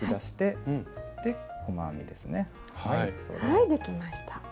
はいできました。